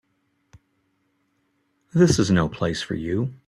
This is no place for you.